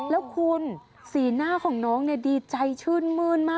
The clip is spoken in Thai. แล้วคุณสีหน้าของน้องดีใจชื่นมื้นมาก